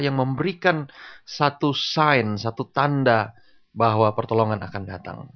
yang memberikan satu tanda bahwa pertolongan akan datang